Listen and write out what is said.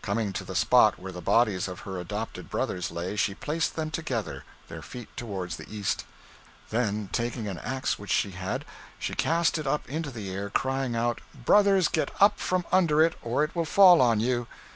Coming to the spot where the bodies of her adopted brothers lay, she placed them together, their feet toward the east. Then taking an ax which she had, she cast it up into the air, crying out, 'Brothers, get up from under it, or it will fall on you.'